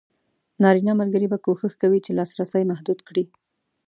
نارینه ملګري به کوښښ کوي چې لاسرسی محدود کړي.